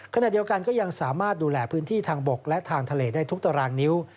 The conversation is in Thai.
ขณะเดียวกันก็ยังสามารถดูแลพื้นที่ทางบกและทางทะเลได้ทุกตารางนิ้ว